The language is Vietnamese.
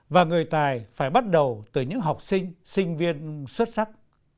và người tài phải bắt đầu từ những học sinh sinh viên xuất sắc